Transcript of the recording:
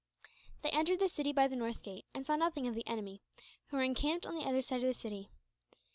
They entered the city by the northern gate, and saw nothing of the enemy, who were encamped on the other side of the city.